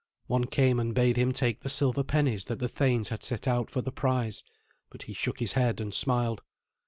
One came and bade him take the silver pennies that the thanes had set out for the prize, but he shook his head and smiled.